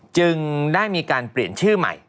จึงได้มีการเปลี่ยนชื่อใหม่